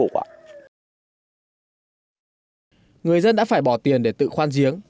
nói trên người dân đã phải bỏ tiền để tự khoan giếng